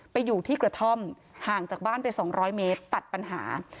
ไปอยู่ที่กระท่อมห่างจากบ้านไป๒๐๐เมตรตัดปัญหา